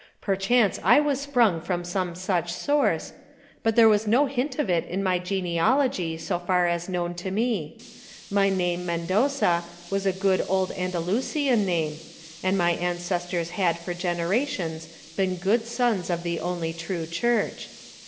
Perchance I was sprung from some such source, but there was no hint of it in my genealogy so far as known to me; my name Mendoza was a good old Andalusian name, and my ancestors had for generations been good sons of the only true Church.